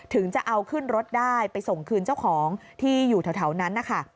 ถึงจะเอาขึ้นรถได้ไปส่งคืนเจ้าของที่อยู่แถวนั้นนะคะ